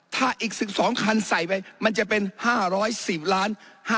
ถ้าอีก๑๒คันใส่ไปมันจะเป็น๕๑๐ล้าน